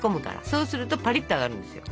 そうするとパリッと揚がるんですよ。